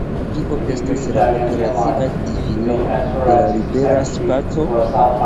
Kio estas la operacia difino de libera spaco?